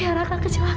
ya raka kecelakaan